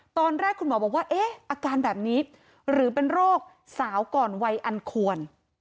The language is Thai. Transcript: ตอนแรกคุณหมอบอกว่าเอ๊ะอาการแบบนี้หรือเป็นโรคสาวก่อนวัยอันควร